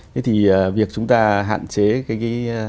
thế thì việc chúng ta hạn chế cái cái